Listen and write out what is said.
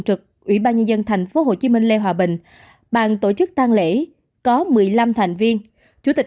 trực ủy ban nhân dân tp hcm lê hòa bình bàn tổ chức tan lễ có một mươi năm thành viên chủ tịch